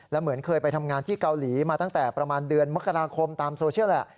และเหมือนเคยไปทำงานที่เกาหลีมาตั้งแต่ประมาณเดือนมกราคมตามโซเชียลแหละ